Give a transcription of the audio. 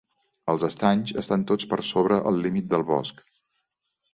Els estanys estan tots per sobre el límit del bosc.